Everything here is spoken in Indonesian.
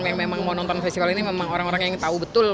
yang memang mau nonton festival ini memang orang orang yang tahu betul